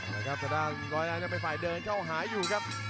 เอาละครับสะดานร้อยร้านยังไปฝ่ายเดินเข้าหายอยู่ครับ